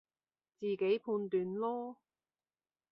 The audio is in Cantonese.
自己判斷囉